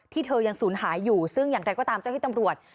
เธอยังสูญหายอยู่ซึ่งอย่างไรก็ตามเจ้าที่ตำรวจ